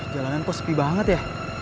jalanan kok sepi banget ya